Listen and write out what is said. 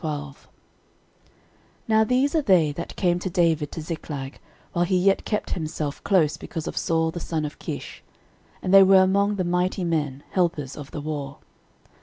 13:012:001 Now these are they that came to David to Ziklag, while he yet kept himself close because of Saul the son of Kish: and they were among the mighty men, helpers of the war.